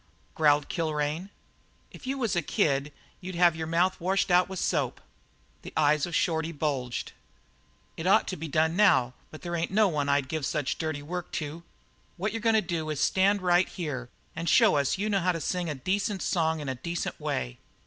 growled Kilrain. "If you was a kid you'd have your mouth washed out with soap." The eyes of Shorty bulged. "It ought to be done now, but there ain't no one I'd give such dirty work to. What you're going to do is stand right here and show us you know how to sing a decent song in a decent way.